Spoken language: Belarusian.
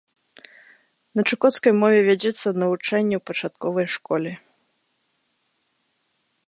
На чукоцкай мове вядзецца навучанне ў пачатковай школе.